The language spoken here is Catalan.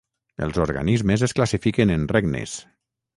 Els organismes es classifiquen en regnes.